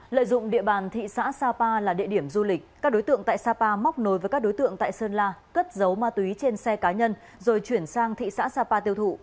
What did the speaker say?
lợi dụng địa bàn thị xã sapa là địa điểm du lịch các đối tượng tại sapa móc nối với các đối tượng tại sơn la cất dấu ma túy trên xe cá nhân rồi chuyển sang thị xã sapa tiêu thụ